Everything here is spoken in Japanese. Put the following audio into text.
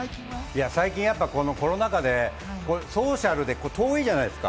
最近、コロナ禍でソーシャルで遠いじゃないですか。